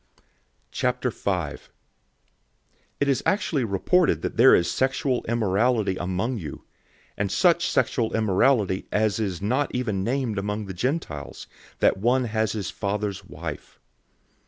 005:001 It is actually reported that there is sexual immorality among you, and such sexual immorality as is not even named among the Gentiles, that one has his father's wife.